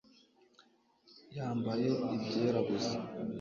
yambaye ibyera gusa